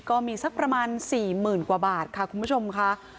ก็มีสักประมาณ๔๐๐๐กว่าบาทค่ะคุณผู้ชมค่ะ